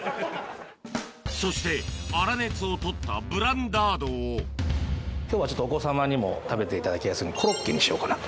そして粗熱を取ったブランダードを今日はお子様にも食べていただきやすいようにコロッケにしようかなと。